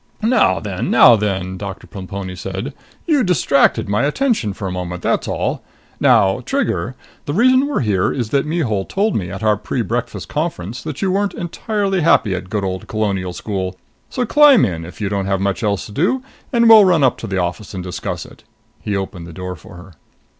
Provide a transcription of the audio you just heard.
"Now then! Now then!" Doctor Plemponi said. "You distracted my attention for a moment, that's all. Now, Trigger, the reason we're here is that Mihul told me at our prebreakfast conference you weren't entirely happy at the good old Colonial School. So climb in, if you don't have much else to do, and we'll run up to the office and discuss it." He opened the door for her.